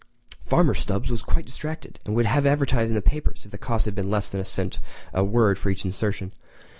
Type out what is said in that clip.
Farmer Stubbs was quite distracted, and would have advertised in the papers if the cost had been less than a cent a word for each insertion.